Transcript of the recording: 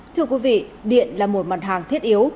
thưa quý vị điện là một mặt hàng thiết yếu